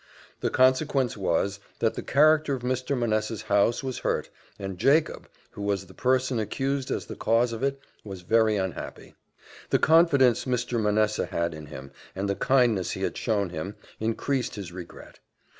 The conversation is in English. The consequence was, that the character of Mr. Manessa's house was hurt, and Jacob, who was the person accused as the cause of it, was very unhappy. The confidence Mr. Manessa had in him, and the kindness he showed him, increased his regret.